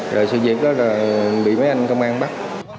rồi sự việc đó là bị mấy anh công an bắt